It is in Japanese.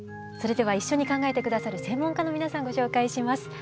それでは一緒に考えて下さる専門家の皆さんご紹介します。